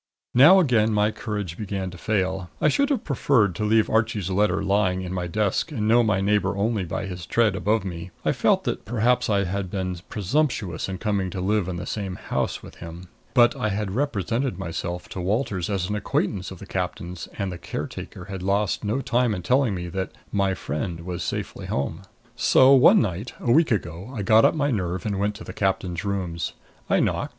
Now again my courage began to fail. I should have preferred to leave Archie's letter lying in my desk and know my neighbor only by his tread above me. I felt that perhaps I had been presumptuous in coming to live in the same house with him. But I had represented myself to Walters as an acquaintance of the captain's and the caretaker had lost no time in telling me that "my friend" was safely home. So one night, a week ago, I got up my nerve and went to the captain's rooms. I knocked.